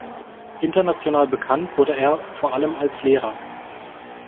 International bekannt wurde er vor allem als Lehrer.